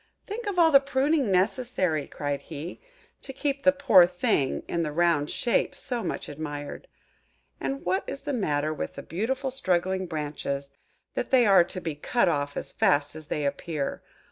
"Think of all the pruning necessary," cried he, "to keep the poor thing in the round shape so much admired. And what is the matter with the beautiful straggling branches, that they are to be cut off as fast as they appear?